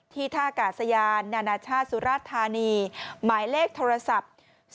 ที่ท่าอากาศยานนะชาติศุราชธานีหมายเลขโทรศัพท์๐๗๗๔๔๑๒๓๐